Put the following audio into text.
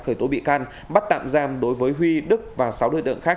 khởi tố bị can bắt tạm giam đối với huy đức và sáu đối tượng khác